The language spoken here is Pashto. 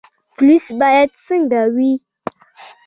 پولیس باید څنګه وي؟